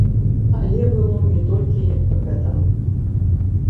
Але было не толькі гэта.